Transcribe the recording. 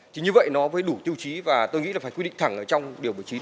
chính như vậy nó với đủ tiêu chí và tôi nghĩ là phải quy định thẳng trong điều bảy mươi chín